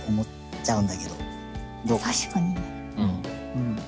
確かにね。